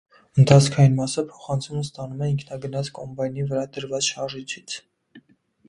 Ընթացքային մասը փոխանցումն ստանում է ինքնագնաց կոմբայնի վրա դրված շարժիչից։